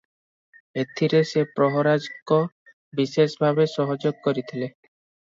ଏଥିରେ ସେ ପ୍ରହରାଜଙ୍କ ବିଶେଷ ଭାବେ ସହଯୋଗ କରିଥିଲେ ।